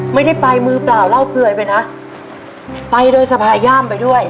ไม่ได้ไปมือเปล่าเล่าเปลือยไปนะไปโดยสภาย่ามไปด้วย